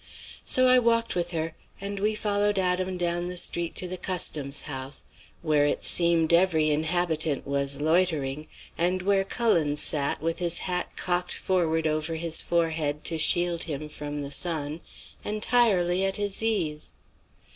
So I walked with her, and we followed Adam down the street to the Customs House, where it seemed every inhabitant was loitering, and where Cullen sat, with his hat cocked forward over his forehead to shield him from the sun, entirely at his ease.